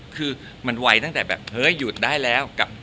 คือมันไวตั้งแต่แบบเฮ้ยหยุดได้แล้ว